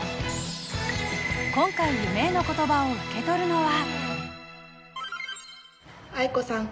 今回夢への言葉を受け取るのは。